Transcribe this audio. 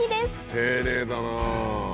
丁寧だな。